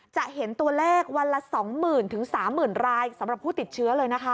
จะเห็นตัวเลขวันละ๒๐๐๐๓๐๐รายสำหรับผู้ติดเชื้อเลยนะคะ